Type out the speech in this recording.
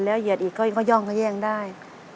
เหยียดอีกก็ย่องก็แย่งได้